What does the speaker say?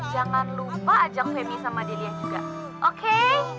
jangan lupa ajak femi sama dia juga oke